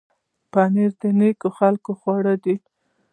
پنېر د نېکو خلکو خواړه دي.